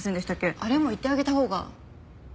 あれも言ってあげたほうが。